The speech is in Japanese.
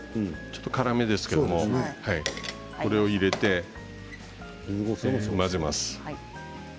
ちょっと辛めですけれどもこれを入れて混ぜます。